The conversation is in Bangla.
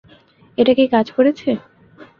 এটা কি কাজ করেছে?